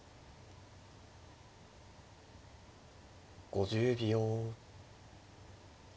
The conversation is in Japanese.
５０秒。